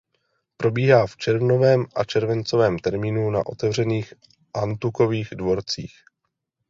Probíhá v červnovém a červencovém termínu na otevřených antukových dvorcích.